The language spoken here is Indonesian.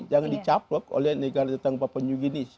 jangan dicapok oleh negara tetangga peperan juga ini